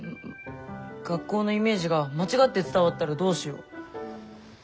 学校のイメージが間違って伝わったらどうしよう。